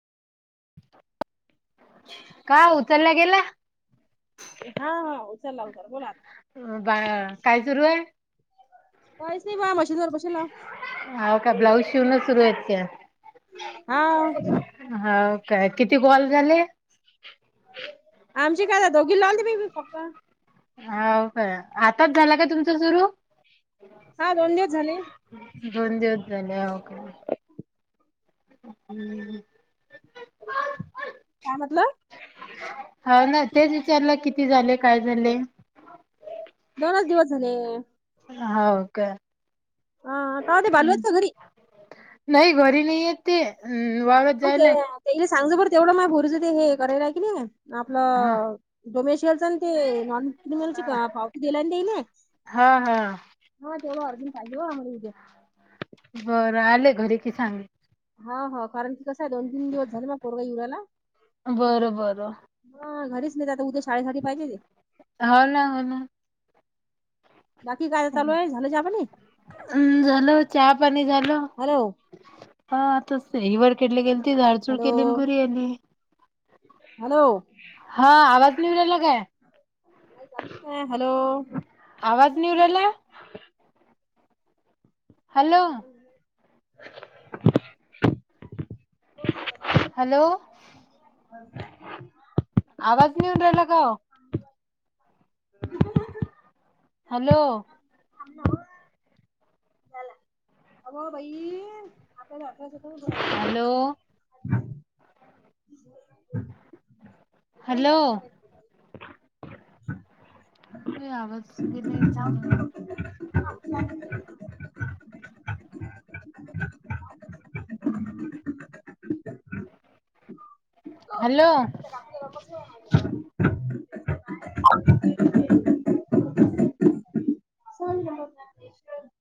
का उचलला गेला? हा. हा. उचलला उचलला. बोला आता. हो बा काय सुरू ए? काहीच नाही बा. मशीनवर बशेल ए. हाव का? ब्लाऊज शिवण सुरू आहे का काय? हा. हाव काय? किती कॉल झाले? आमची काय दोघीला लावते बाई मी फक्त. हाव काय? आताच झाला का तुमचं सुरू? हा. दोन दिवस झाले. दोन दिवस झाले. होय काय? [unintelligible] काय म्हटलं? हाव ना? तेच विचारलं किती झाले? काय झाले? दोनच दिवस झाले. हाव का? आं. का हो ते बालू आहेत का घरी? नाही घरी नाही येत ते. अ वावरात मग जायेल ए. ते सांगज बर तेवढं माय पोरीच ते हे करायला कि नाही का हा आपलं डोमेशियलच. ते नॉन क्रिमिलची पावती देला ना त्याने? हा हा हा. तेवढं अर्जंट पाहिजे आमाला उद्या. बरं. आले घरी की सांगेलं. हा. हा. कारण की कसं आहे दोन तीन दिवस झाले माझा पोरगा येउ ऱ्हायला. बरं बरं. हा घरीच नाहीतआता उद्या शाळेमध्ये पाहिजेले. हो ना, हो ना. बाकी काय चालू आहे झालं चहा पाणी अम् झालं चहा, पाणी झालं? हॅलो हा तस ही वर केडले गेलीत झाडचूड हॅलो केली आणि घरी आली. हॅलो. हा आवाज नाही येऊ राहिला काय? हॅलो. आवाज नी येऊ राहिला? Hello [unintelligible] hello. [inaudible] आवाज नाई येऊन राहिला का ओ? हॅलो. अ बाई आपल्याला आठवच होत बघ. हॅलो. [inaudible] हॅलो [unintelligible] काही आवाज गे नाही याचं ग. हॅलो.